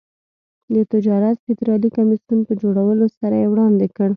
د تجارت فدرالي کمېسیون په جوړولو سره یې وړاندې کړ.